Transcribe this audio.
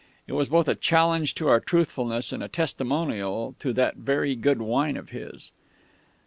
It was both a challenge to our truthfulness and a testimonial to that very good wine of his....